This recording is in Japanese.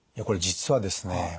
これ実はですね